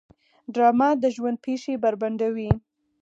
ډرامه د ژوند پېښې بربنډوي